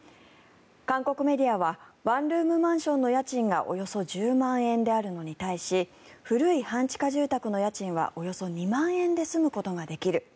韓国メディアはワンルームマンションの家賃がおよそ１０万円であるのに対し古い半地下住宅の家賃はおよそ２万円で住むことができる。